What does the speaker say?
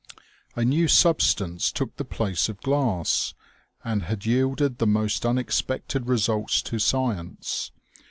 A new substance took the place of glass, and had yielded the most unexpected results to science.